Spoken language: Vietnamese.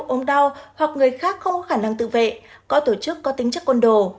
ôm đau hoặc người khác không có khả năng tự vệ có tổ chức có tính chất quân đồ